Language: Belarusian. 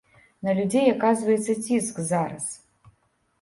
На людзей аказваецца ціск зараз.